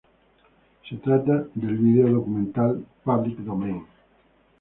Se trata del video-documental Public Domain.